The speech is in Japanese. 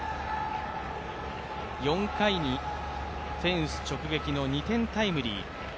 ４回にフェンス直撃の２点タイムリー。